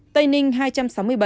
tây ninh hai trăm sáu mươi bảy